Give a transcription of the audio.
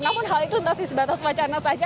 namun hal itu masih sebatas wacana saja